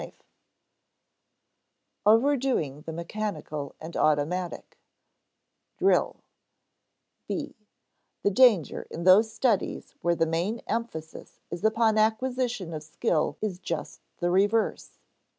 [Sidenote: Overdoing the mechanical and automatic] [Sidenote: "Drill"] (b) The danger in those studies where the main emphasis is upon acquisition of skill is just the reverse.